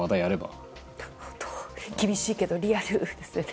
厳しいけどリアルですね。